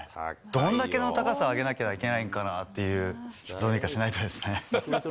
どんだけの高さ上げなきゃいけないんかなという、どうにかしないとですね。